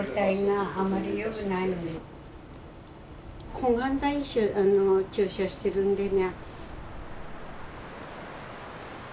抗がん剤注射してるんでね。